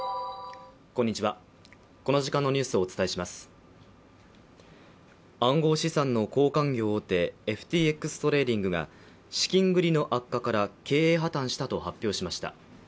プロに暗号資産の交換業大手、ＦＴＸトレーディングが資金繰りの悪化から経営破綻したと発表しました。